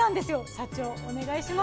社長お願いします。